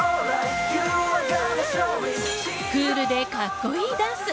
クールで格好いいダンス。